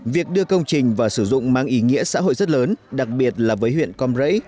việc đưa công trình vào sử dụng mang ý nghĩa xã hội rất lớn đặc biệt là với huyện con rẫy